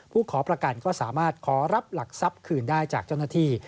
ขอประกันก็สามารถขอรับหลักทรัพย์คืนได้จากเจ้าหน้าที่